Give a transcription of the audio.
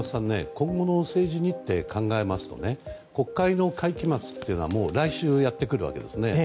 今後の政治日程を考えると国会の会期末は来週やってくるわけですね。